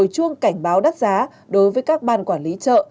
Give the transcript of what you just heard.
chuông cảnh báo đắt giá đối với các ban quản lý chợ